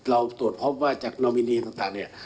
เราตรวจพบว่าจากนอมินีต่างเนี่ย